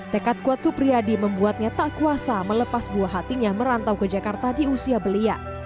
tekad kuat supriyadi membuatnya tak kuasa melepas buah hatinya merantau ke jakarta di usia belia